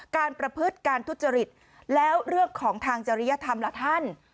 ประพฤติการทุจริตแล้วเรื่องของทางจริยธรรมล่ะท่าน